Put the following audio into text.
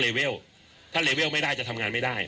เวลถ้าเลเวลไม่ได้จะทำงานไม่ได้